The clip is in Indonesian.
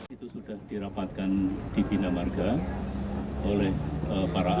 itu sudah dirapatkan di bina marga oleh para ahli